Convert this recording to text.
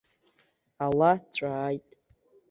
Ала ҵәааит.